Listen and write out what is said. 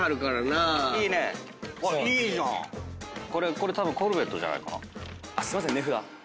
これたぶんコルベットじゃないかな。